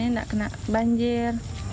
ini enak kena banjir